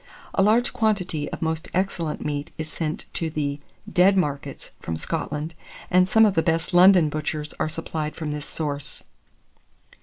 A large quantity of most excellent meat is sent to the "dead markets" from Scotland, and some of the best London butchers are supplied from this source.